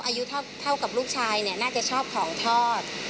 อายุเท่ากับลูกชายเนี่ยน่าจะชอบของทอด